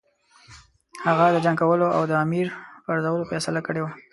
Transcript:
هغه د جنګ کولو او د امیر پرزولو فیصله کړې وه.